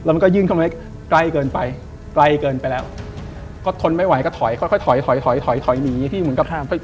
มันเป็นยื่น